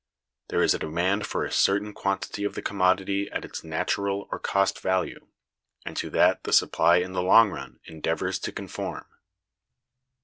There is a demand for a certain quantity of the commodity at its natural or cost value, and to that the supply in the long run endeavors to conform.